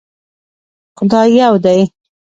خدای يو دی